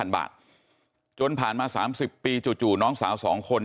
บาทจนผ่านมา๓๐ปีจู่น้องสาว๒คน